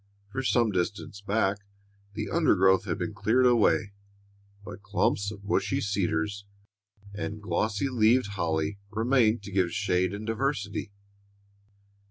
For some distance back the undergrowth had been cleared away, but clumps of bushy cedars and glossy leaved holly remained to give shade and diversity.